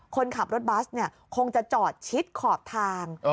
คนขับรถบัสเนี่ยคงจะจอดชิดขอบทาง